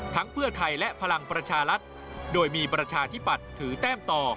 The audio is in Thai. เพื่อไทยและพลังประชารัฐโดยมีประชาธิปัตย์ถือแต้มต่อ